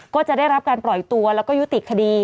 ก็จะได้รับการปล่อยตัวแล้วก็ยุติคดี